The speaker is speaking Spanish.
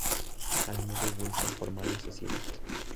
Almeida y Wilson formaron sociedad.